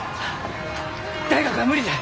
大学は無理じゃ！